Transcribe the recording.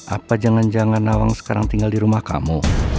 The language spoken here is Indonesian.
apa jangan jangan nawang sekarang tinggal di rumah kamu